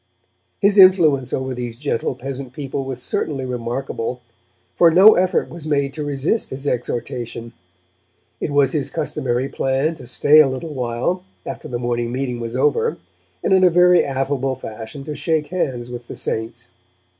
His influence over these gentle peasant people was certainly remarkable, for no effort was made to resist his exhortation. It was his customary plan to stay a little while, after the morning meeting was over, and in a very affable fashion to shake hands with the Saints.